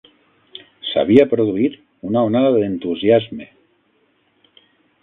S'havia produït una onada d'entusiasme